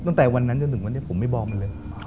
ตั้งแต่วันนั้นจนถึงวันนี้ผมไม่บอกมันเลย